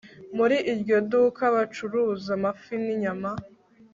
Muri iryo duka bacuruza amafi ninyama